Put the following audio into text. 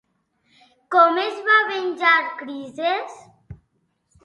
Com es va venjar Crises?